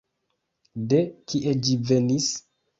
De kie ĝi venis?